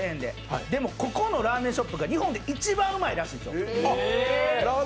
でも、ここのラーメンショップが日本で一番うまいらしいんですよ。